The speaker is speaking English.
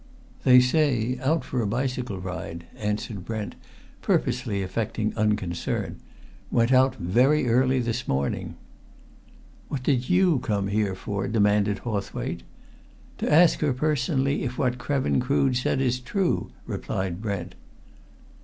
"They say out for a bicycle ride," answered Brent, purposely affecting unconcern. "Went out very early this morning." "What did you come here for?" demanded Hawthwaite. "To ask her personally if what Krevin Crood said is true!" replied Brent.